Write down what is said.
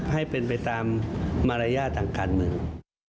ให้เป็นไปตามมารยาททางการเมือง